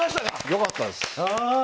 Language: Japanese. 良かったです。